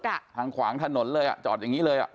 ทางขวางถนนเลยอย่างนี้เลย